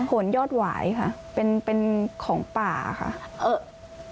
หนยอดหวายค่ะเป็นเป็นของป่าค่ะ